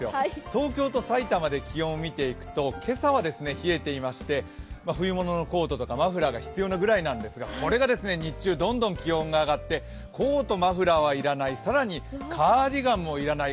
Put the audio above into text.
東京と埼玉で気温を見ていくと、今朝は冷えていまして冬物のコートとかマフラーが必要なぐらいなんですが日中どんどん気温が上がってコート、マフラーは要らない、更にカーディガンも要らない